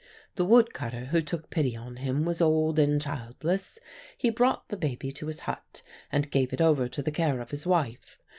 The woodcutter who took pity on him was old and childless. He brought the baby to his hut, and gave it over to the care of his wife.